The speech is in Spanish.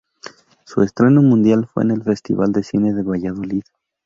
Su estreno mundial fue en el Festival de Cine de Valladolid.